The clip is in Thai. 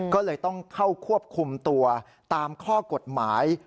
ก็เลยต้องเข้าควบคุมตัวตามข้อกฎหมาย